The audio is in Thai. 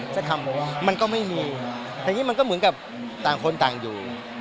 สักคำมันก็ไม่มีทีนี้มันก็เหมือนกับต่างคนต่างอยู่